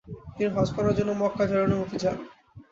তিনি হজ্জ করার জন্য মক্কা যাওয়ার অনুমতি চান।